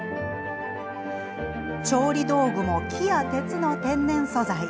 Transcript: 調理道具も木や鉄の天然素材。